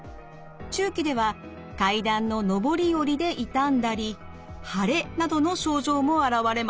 中期では階段の上り下りで痛んだり腫れなどの症状も現れます。